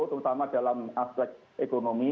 terutama dalam aspek ekonomi